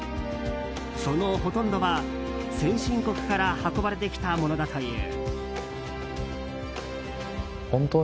そのほとんどは、先進国から運ばれてきたものだという。